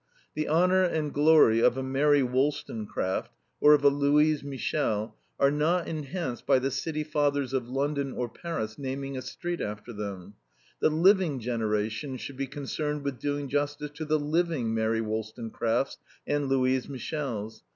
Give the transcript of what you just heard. The honor and glory of a Mary Wollstonecraft or of a Louise Michel are not enhanced by the City Fathers of London or Paris naming a street after them the living generation should be concerned with doing justice to the LIVING Mary Wollstonecrafts and Louise Michels.